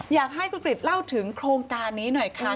อยากให้คุณกริจเล่าถึงโครงการนี้หน่อยค่ะ